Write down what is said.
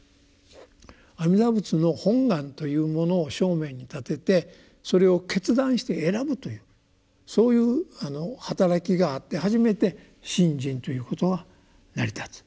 阿弥陀仏の本願というものを正面に立ててそれを決断して選ぶというそういう働きがあって初めて「信心」ということが成り立つ。